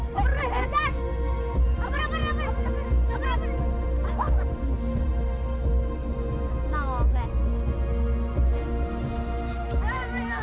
bolanya tak kiri batu tak kasih batu bolanya